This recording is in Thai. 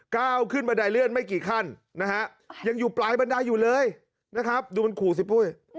ก้าวขึ้นบันไดเลื่อนไม่กี่ขั้นนะฮะยังอยู่ปลายบันไดอยู่เลยนะครับดูมันขู่สิปุ้ย